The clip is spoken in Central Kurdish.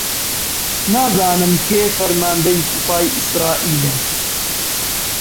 نازانم کێ فەرماندەی سوپای ئیسرائیلە؟